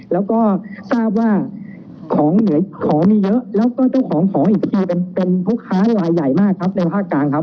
แล้วก็ทราบว่าของเหนือของมีเยอะแล้วก็เจ้าของของอีกทีเป็นผู้ค้าลายใหญ่มากครับในภาคกลางครับ